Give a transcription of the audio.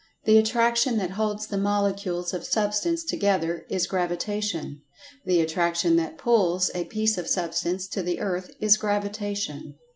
The attraction that holds the molecules of Substance together is Gravitation. The attraction that "pulls" a piece of Substance to the earth is Gravitation.